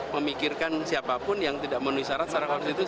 memikirkan siapapun yang tidak menuhi syarat setara konstitusi